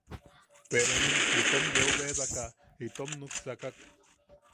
Peronim itom yeu bebaka itom nuksakak.